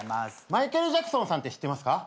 マイケル・ジャクソンさんって知ってますか？